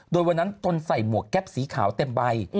โดยวันนั้นตนใส่หมวกแก๊ปสีขาวเต็มใบ